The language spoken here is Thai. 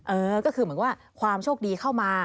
เออก็คือเหมือนว่าความโชคดีเข้ามา